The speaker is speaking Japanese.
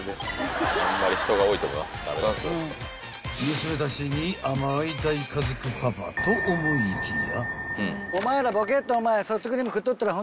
［娘たちに甘い大家族パパと思いきや］